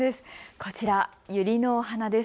こちらユリのお花です。